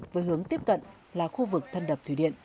với hướng tiếp cận là khu vực thân đập thủy điện